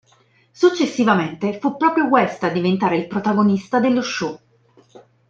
Successivamente, fu proprio West a diventare il protagonista dello show.